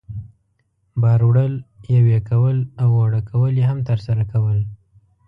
بار وړل، یوې کول او اوړه کول یې هم ترسره کول.